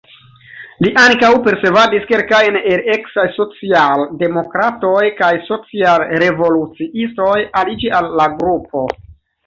Li ankaŭ persvadis kelkajn el eksaj social-demokratoj kaj social-revoluciistoj aliĝi al la grupo.